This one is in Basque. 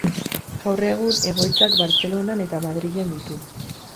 Gaur egun egoitzak Bartzelonan eta Madrilen ditu.